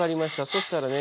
そしたらね